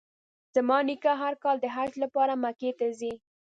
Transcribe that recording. زما نیکه هر کال د حج لپاره مکې ته ځي.